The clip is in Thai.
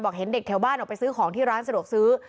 เห็นเด็กแถวบ้านออกไปซื้อของที่ร้านสะดวกซื้อ